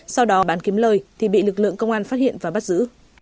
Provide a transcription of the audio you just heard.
sau đó bán kiếm lời thì bị lực lượng công an phát hiện và bắt giữ